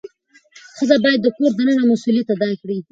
ښځه باید د کور دننه مسؤلیت ادا کړي.